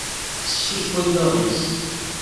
Fessus wallaɣ-is.